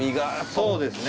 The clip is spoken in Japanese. そうですね。